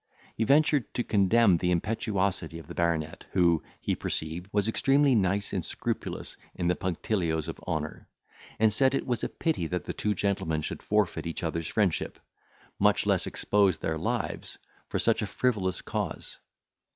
He ventured to condemn the impetuosity of the baronet, who, he perceived, was extremely nice and scrupulous in the punctilios of honour; and said it was a pity that two gentlemen should forfeit each other's friendship, much less expose their lives, for such a frivolous cause.